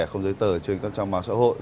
không giấy tờ trên các trang mạng xã hội